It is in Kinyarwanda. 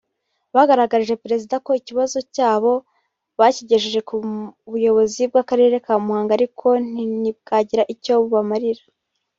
Bagaragarije Perezida ko ikibazo cyabo bakigejeje ku buyobozi bw’Akarere ka Muhanga ariko ntibwagira icyo bubamarira